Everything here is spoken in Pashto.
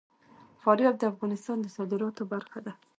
فاریاب د افغانستان د صادراتو برخه ده.